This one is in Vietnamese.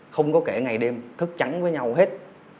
không có kể ngày đêm thức trắng với nhau hết